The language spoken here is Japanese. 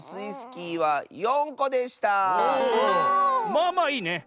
まあまあいいね。